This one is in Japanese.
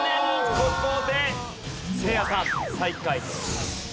ここでせいやさん最下位となります。